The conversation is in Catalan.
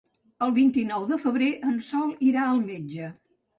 El vint-i-nou de febrer en Sol irà al metge.